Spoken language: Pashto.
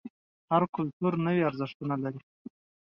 هر کلتور ځانګړي ارزښتونه لري.